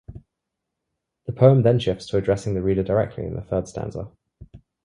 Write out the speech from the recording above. The poem then shifts to addressing the reader directly in the third stanza.